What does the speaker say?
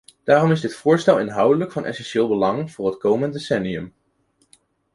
Daarom is dit voorstel inhoudelijk van essentieel belang voor het komend decennium.